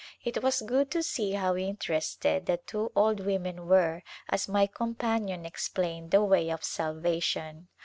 It was good to see how interested the two old women were as my companion explained the way of salvation.